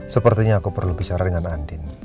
sepertinya aku perlu bicara dengan andin